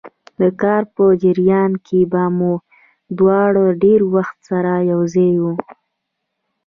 د کار په جریان کې به موږ دواړه ډېر وخت سره یو ځای وو.